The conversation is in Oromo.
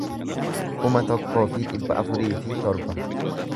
kuma tokkoo fi dhibba afurii fi torba